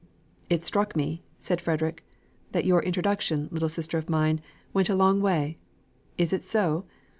"It struck me," said Frederick, "that your introduction, little sister of mine, went a long way. Is it so?